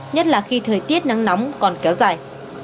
nhất là khi thời tiết nắng nóng còn kéo dài